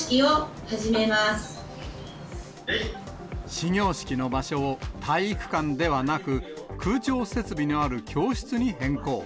始業式の場所を体育館ではなく、空調設備のある教室に変更。